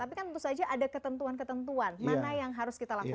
tapi kan tentu saja ada ketentuan ketentuan mana yang harus kita lakukan